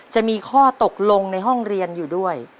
จะมีข้อตกลงในห้องเรียนอยู่ด้วย